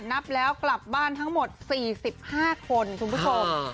นับแล้วกลับบ้านทั้งหมด๔๕คนคุณผู้ชม